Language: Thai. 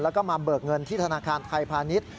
แล้วก็มาเบิกเงินที่ธนาคารไทยพาณิชย์